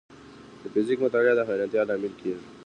د فزیک مطالعه د حیرانتیا لامل کېږي.